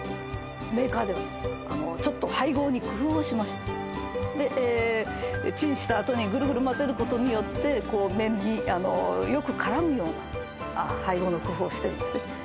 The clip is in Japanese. メーカーではちょっと配合に工夫をしましてでチンしたあとにグルグル混ぜることによって麺によく絡むような配合の工夫をしてるんですね